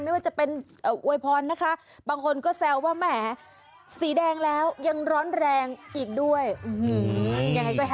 ไม่ว่าจะเป็นอวยพรนะคะบางคนก็แซวว่าแหมสีแดงแล้วยังร้อนแรงอีกด้วยยังไงก็แฮ